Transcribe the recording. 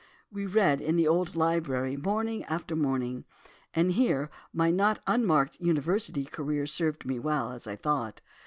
We read in the old library, morning after morning, and here my not unmarked university career served me well, as I thought.